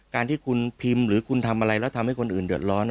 การที่คุณพิมพ์หรือคุณทำอะไรแล้วทำให้คนอื่นเดือดร้อน